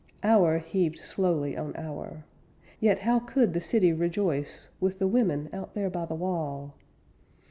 Hour heaved slowly on hour, Yet how could the city rejoice With the women out there by the wall!